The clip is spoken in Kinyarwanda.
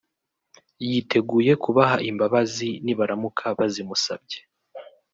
yiteguye kubaha imbabazi nibaramuka bazimusabye